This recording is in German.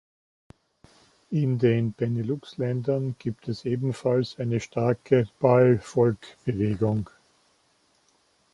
In den Benelux-Ländern gibt es ebenfalls eine starke Bal-Folk-Bewegung.